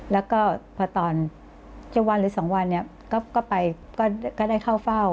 แล้วก็พอตอน๗วันหรือ๒วันเนี่ยก็ไปก็ได้เข้าเฝ้า